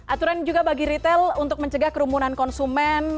aturan juga bagi retail untuk mencegah kerumunan konsumen